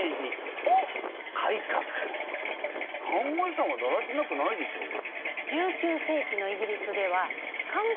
看護師さんはだらしなくないでしょう。